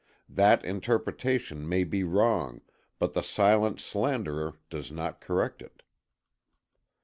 That interpretation may be wrong, but the silent slanderer does not correct it.